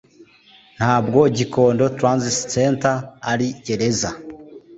” Ntabwo Gikondo Transit Centre ari gereza